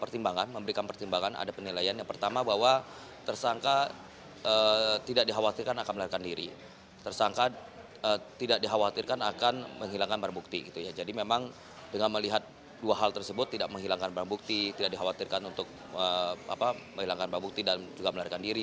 saya khawatirkan untuk menghilangkan pembukti dan juga melarikan diri